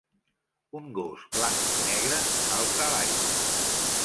Un gos blanc i negre salta a l'aigua.